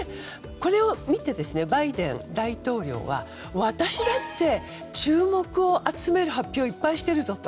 これを見て、バイデン大統領は私だって注目を集める発表をいっぱいしているぞと。